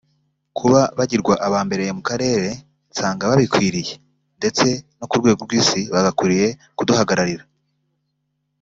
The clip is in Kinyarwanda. Kuba bagirwa aba mbere mu Karere nsanga babikwiriye ndetse no ku rwego rw’isi bagakwiriye kuduhagararira”